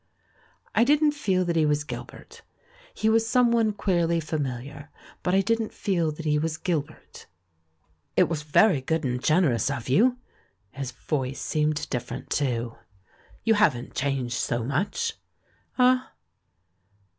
I didn't feel that he was Gilbert. He was some one queerly familiar, but I didn't feel that he was Gilbert. "It was very, good and generous of you." His voice seemed different, too. "You haven't changed so much." "Ah!"